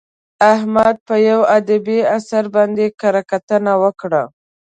احمد په یوه ادبي اثر باندې کره کتنه وکړه.